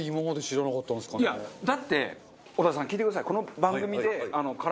いやだって織田さん聞いてください。